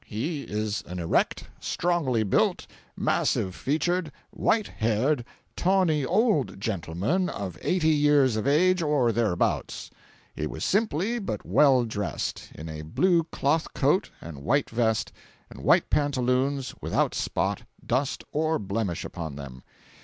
He is an erect, strongly built, massive featured, white haired, tawny old gentleman of eighty years of age or thereabouts. He was simply but well dressed, in a blue cloth coat and white vest, and white pantaloons, without spot, dust or blemish upon them.